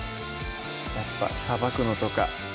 やっぱさばくのとか